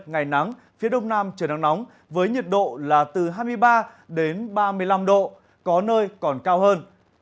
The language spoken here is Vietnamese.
ngày nắng phía đông nam trời nắng nóng với nhiệt độ là từ hai mươi ba đến ba mươi năm độ có nơi còn cao hơn